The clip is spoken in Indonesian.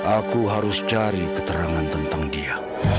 aku harus cari keterangan tentang dia